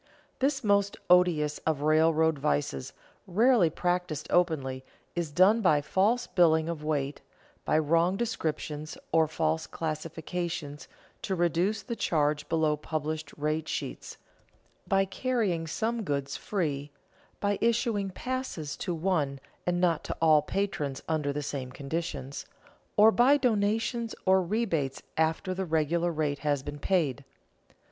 _ This most odious of railroad vices, rarely practised openly, is done by false billing of weight, by wrong descriptions or false classification to reduce the charge below published rate sheets, by carrying some goods free, by issuing passes to one and not to all patrons under the same conditions, or by donations or rebates after the regular rate has been paid.